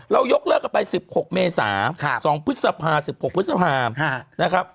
เรายกเลิกออกไป๑๖เมษาสองพฤษภา๑๖พฤษภา